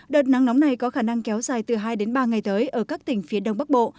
đợt nắng nóng này có khả năng kéo dài từ hai đến ba ngày tới ở các tỉnh phía đông bắc bộ